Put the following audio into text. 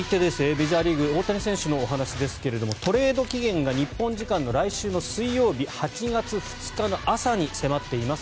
メジャーリーグ、大谷選手のお話ですがトレード期限が日本時間の来週水曜日８月２日の朝に迫っています。